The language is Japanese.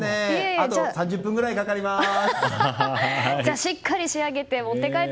あと３０分ぐらいかかります。